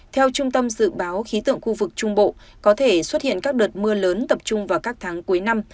theo trung tâm dự báo khí tượng khu vực trung bộ có thể xuất hiện các đợt mưa lớn tập trung vào các tháng cuối năm